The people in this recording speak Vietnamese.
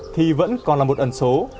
thì vẫn còn là một ẩn số